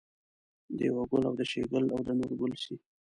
دېوه ګل او د شیګل او د نورګل سي